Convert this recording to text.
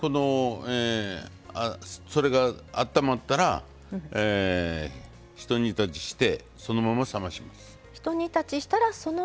それが、あったまったら一煮立ちしてそのまま冷まします。